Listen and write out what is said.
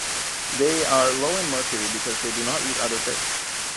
They are low in mercury because they do not eat other fish.